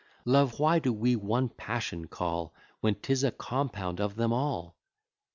Love why do we one passion call, When 'tis a compound of them all?